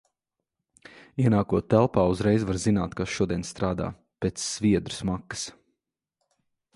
Ienākot telpā, uzreiz var zināt, kas šodien strādā - pēc sviedru smakas.